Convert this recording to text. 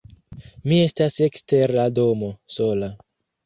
Mi estas ekster la domo, sola.